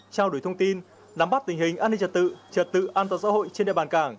trao đổi thông tin nắm bắt tình hình an ninh trật tự trật tự an toàn xã hội trên địa bàn cảng